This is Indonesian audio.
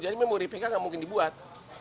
jadi memori pk gak mungkin dibuat